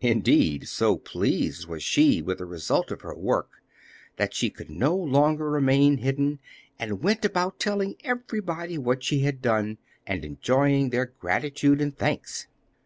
Indeed, so pleased was she with the result of her work, that she could no longer remain hidden, and went about telling everybody what she had done, and enjoying their gratitude and thanks.